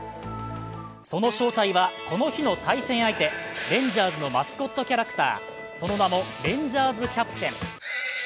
その正体は、この日の対戦相手レンジャーズのマスコットキャラクター、その名もレンジャーズ・キャプテン